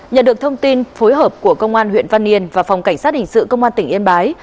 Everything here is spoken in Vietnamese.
nhận được thông tin phối hợp của công an huyện văn yên và phòng cảnh sát hình sự công an tỉnh yên bái